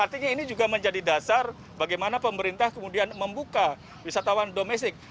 artinya ini juga menjadi dasar bagaimana pemerintah kemudian membuka wisatawan domestik